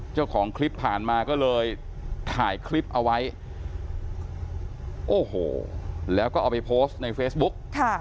เจ้าของคลิปผ่านมาก็เลยถ่ายคลิปเอาไว้โอ้โหแล้วก็เอาไปโพสต์ในเฟซบุ๊ก